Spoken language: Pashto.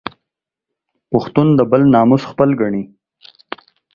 پښتون د بل ناموس خپل ګڼي